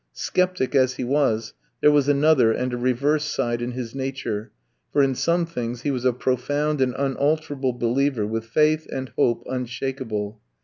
Sceptic as he was, there was another and a reverse side in his nature, for in some things he was a profound and unalterable believer with faith and hope unshakable.